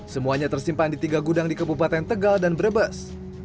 semuanya tersimpan di tiga gudang di kabupaten tegal dan brebes